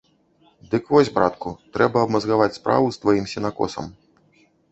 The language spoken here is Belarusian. Дык вось, братку, трэба абмазгаваць справу з тваім сенакосам.